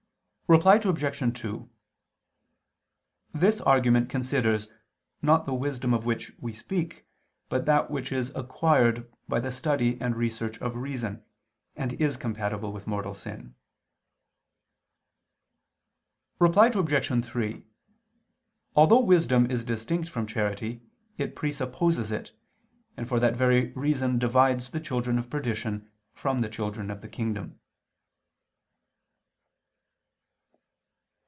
Reply Obj. 2: This argument considers, not the wisdom of which we speak but that which is acquired by the study and research of reason, and is compatible with mortal sin. Reply Obj. 3: Although wisdom is distinct from charity, it presupposes it, and for that very reason divides the children of perdition from the children of the kingdom.